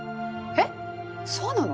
えっそうなの？